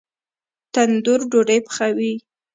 تندور ډوډۍ پخوي